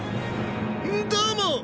どうも！